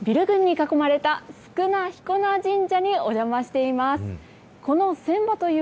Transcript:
大阪のビル群に囲まれたすくなひこな神社にお邪魔しています。